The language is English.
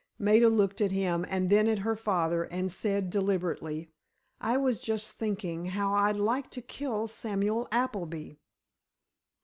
Maida looked at him and then at her father, and said, deliberately: "I was just thinking how I'd like to kill Samuel Appleby."